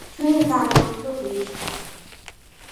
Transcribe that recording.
দুই বছরের কারাদণ্ড হয়েছে তার।